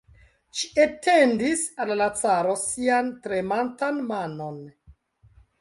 Ŝi etendis al la caro sian tremantan manon.